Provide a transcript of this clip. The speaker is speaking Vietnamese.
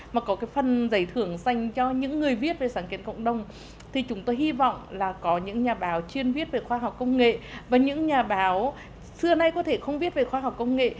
mà có cái phần giải thưởng dành cho những người viết về sáng kiến cộng đồng thì chúng tôi hy vọng là có những nhà báo chuyên viết về khoa học công nghệ và những nhà báo xưa nay có thể không biết về khoa học công nghệ